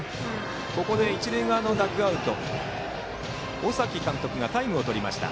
ここで一塁側のダグアウト尾崎監督がタイムをとりました。